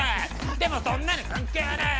でもそんなの関係ねえ！